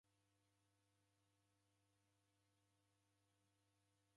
Reda w'aghenyi w'azima law'uke.